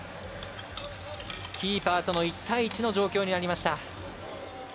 キーパーとの１対１の状況になりました。